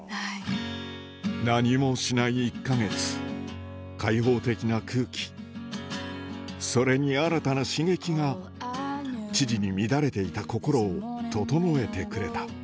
何もしない１か月、開放的な空気、それに新たな刺激が、千々に乱れていた心を整えてくれた。